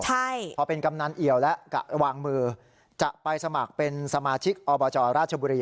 ใช่พอเป็นกำนันเอี่ยวแล้ววางมือจะไปสมัครเป็นสมาชิกอบจราชบุรี